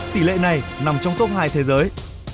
tỷ lệ này nằm trong top hai thế giới